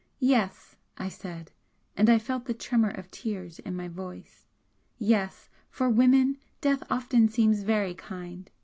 "Yes!" I said, and I felt the tremor of tears in my voice "Yes, for women death often seems very kind!